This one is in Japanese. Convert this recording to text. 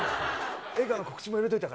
映画の告知も入れといたから。